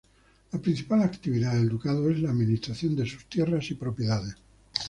La principal actividad del ducado es la administración de sus tierras y propiedades.